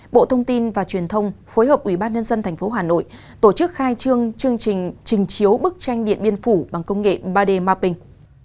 bộ thông tin và truyền thông phối hợp ubnd tp hà nội tổ chức khai trương chương trình trình chiếu bức tranh điện biên phủ bằng công nghệ ba d mapping